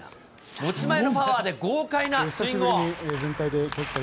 持ち前のパワーで豪快なスイング音。